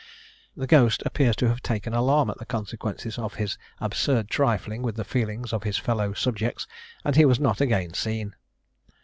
The ghost appears to have taken alarm at the consequences of his absurd trifling with the feelings of his fellow subjects, and he was not again seen.